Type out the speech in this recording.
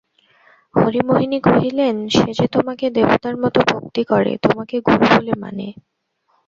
হরিমোহিনী কহিলেন, সে যে তোমাকে দেবতার মতো ভক্তি করে–তোমাকে গুরু বলে মানে।